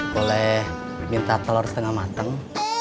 boleh minta telur setengah matang